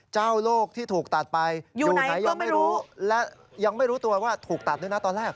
เจ้าโลกที่ถูกตัดไปอยู่ไหนยังไม่รู้และยังไม่รู้ตัวว่าถูกตัดด้วยนะตอนแรก